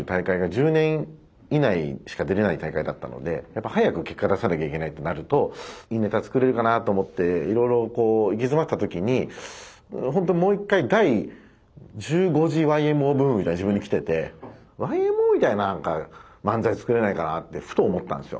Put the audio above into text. １０年以内しか出れない大会だったのでやっぱ早く結果出さなきゃいけないとなるといいネタ作れるかなと思っていろいろ行き詰まってた時にほんともう一回第１５次ＹＭＯブームみたいの自分にきててＹＭＯみたいな漫才作れないかなってふと思ったんですよ。